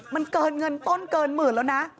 มันเกินเงินต้นเกินหมื่นแล้วนะ